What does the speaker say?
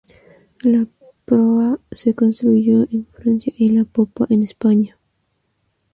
La proa se construyó en Francia y la popa en España.